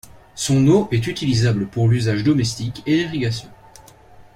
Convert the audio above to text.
Son eau est utilisable pour l'usage domestique et l'irrigation.